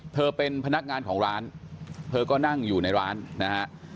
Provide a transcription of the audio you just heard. เธอเป็นพนักงานของร้านเธอก็นั่งอยู่ในร้านนะฮะ